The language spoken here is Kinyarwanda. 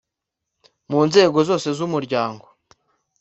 mu nzego zose z Umuryango